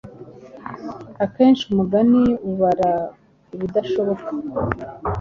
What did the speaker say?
Akenshi umugani ubara ibidashoboka